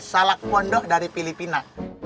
salah pondok dari filipina